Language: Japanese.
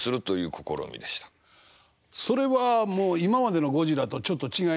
それはもう今までのゴジラとちょっと違いますね。